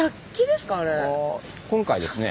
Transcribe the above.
今回ですね